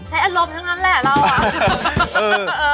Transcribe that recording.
ใช้อารมณ์ทั้งนั้นแหละเราอ่ะ